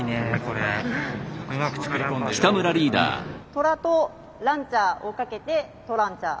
トラとランチャーをかけてトランチャー。